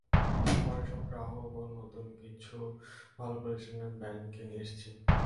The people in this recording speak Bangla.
আমরা এসব গ্রাহক ও নতুন কিছু ভালো প্রতিষ্ঠানকে ব্যাংকে নিয়ে এসেছি।